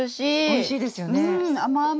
おいしいですよね。